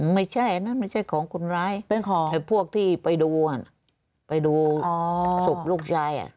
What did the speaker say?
ไม่ใช่นะไม่ใช่ของคนร้ายพวกที่ไปดูไปดูศพลูกชาย